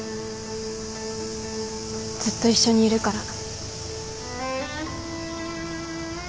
ずっと一緒にいるから。